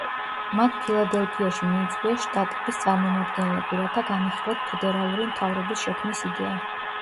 მათ ფილადელფიაში მიიწვიეს შტატების წარმომადგენლები, რათა განეხილათ ფედერალური მთავრობის შექმნის იდეა.